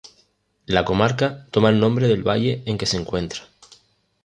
La comarca toma el nombre del valle en que se encuentra.